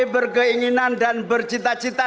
berkeinginan dan bercita cita